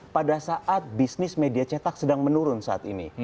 pada saat bisnis media cetak sedang menurun saat ini